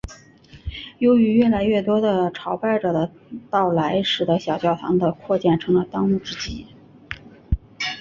由于越来越多的朝拜者的到来使的小教堂的扩建成了当务之急。